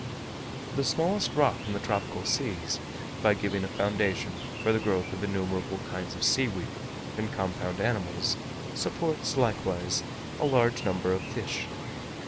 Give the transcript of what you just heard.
The smallest rock in the tropical seas, by giving a foundation for the growth of innumerable kinds of sea weed and compound animals, supports likewise a large number of fish.